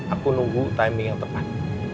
aku nunggu timing yang tepat